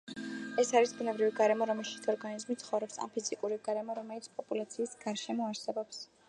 ეს არის ბუნებრივი გარემო რომელშიც ორგანიზმი ცხოვრობს, ან ფიზიკური გარემო, რომელიც პოპულაციის გარშემო არსებობს.